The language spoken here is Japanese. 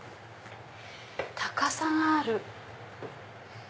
高さがある。